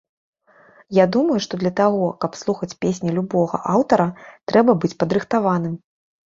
Я думаю, што для таго, каб слухаць песні любога аўтара, трэба быць падрыхтаваным.